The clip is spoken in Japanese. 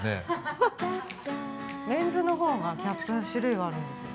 メンズの方がキャップの種類があるんですよ